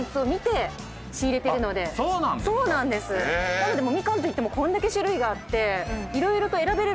なのでミカンといってもこんだけ種類があって。